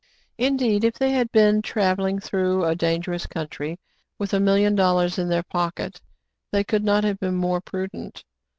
Indeed, if they had been travelling through a dangerous country, with a million dollars in their pocket, they could not have been more prudent.